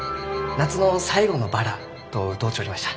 「夏の最後のバラ」と歌うちょりました。